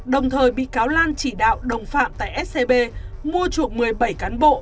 đồng thời bị cáo lan chỉ đạo đồng phạm tại scb mua chuộng một mươi bảy cán bộ